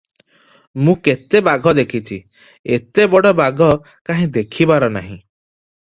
ମୁଁ କେତେ ବାଘ ଦେଖିଛି, ଏତେ ବଡ଼ ବାଘ କାହିଁ ଦେଖିବାର ନାହିଁ ।